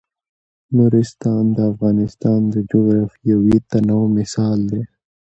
نورستان د افغانستان د جغرافیوي تنوع مثال دی.